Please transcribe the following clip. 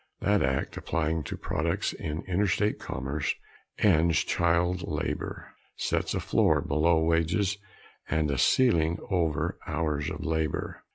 That act applying to products in interstate commerce ends child labor, sets a floor below wages and a ceiling over hours of labor.